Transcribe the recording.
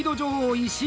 石井。